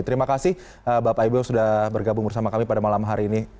terima kasih bapak ibu sudah bergabung bersama kami pada malam hari ini